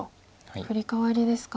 フリカワリですか。